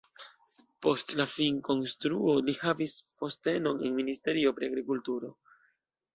Post la finkonstruo li havis postenon en ministerio pri agrikulturo.